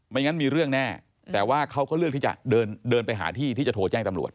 งั้นมีเรื่องแน่แต่ว่าเขาก็เลือกที่จะเดินไปหาที่ที่จะโทรแจ้งตำรวจ